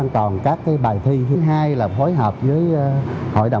môn tổ hợp hợp xã hội